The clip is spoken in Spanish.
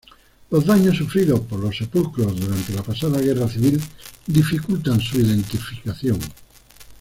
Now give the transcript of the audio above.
Los daños sufridos por los sepulcros durante la pasada Guerra Civil dificultan su identificación.